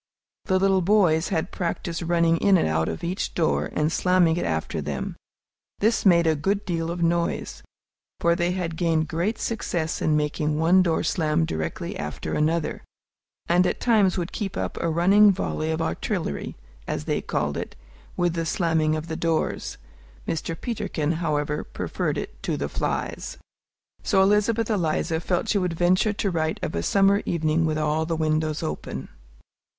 The little boys had practised running in and out of each door, and slamming it after them. This made a good deal of noise, for they had gained great success in making one door slam directly after another, and at times would keep up a running volley of artillery, as they called it, with the slamming of the doors. Mr. Peterkin, however, preferred it to flies. So Elizabeth Eliza felt she would venture to write of a summer evening with all the windows open.